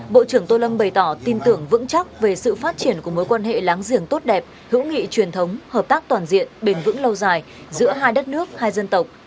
bộ trưởng tô lâm bày tỏ tin tưởng vững chắc về sự phát triển của mối quan hệ láng giềng tốt đẹp hữu nghị truyền thống hợp tác toàn diện bền vững lâu dài giữa hai đất nước hai dân tộc